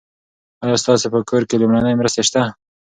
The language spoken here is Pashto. ایا ستاسي په کور کې لومړنۍ مرستې شته؟